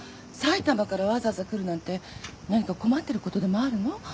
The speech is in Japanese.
埼玉からわざわざ来るなんて何か困ってることでもあるの？